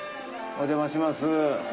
お邪魔します。